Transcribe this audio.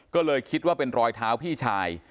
ก็เลยคิดว่าเป็นรอยเท้าพี่ชาย